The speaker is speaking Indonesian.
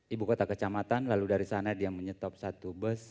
ibu kota kecamatan lalu dari sana dia menyetop satu bus